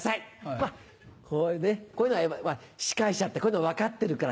まっこういうねこういうのは司会者ってこういうの分かってるから。